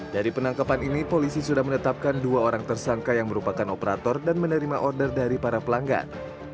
dari penangkapan ini polisi sudah menetapkan dua orang tersangka yang merupakan operator dan menerima order dari para pelanggan